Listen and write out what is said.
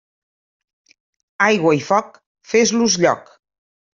Aigua i foc, fes-los lloc.